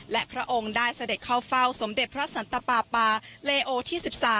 และพระองค์ได้เสด็จเข้าเฝ้าสมเด็จพระสันตปาปาเลโอที่๑๓